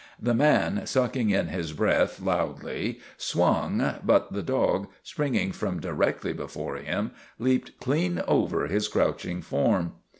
The man, sucking in his breath loudly, swung, but the dog, springing from directly before him, leaped clean over his crouching form.